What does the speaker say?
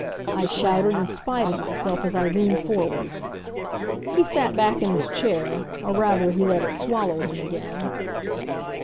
I shouted, in spite of myself, as I leaned forward. He sat back in his chair, or, rather, he let it swallow him again.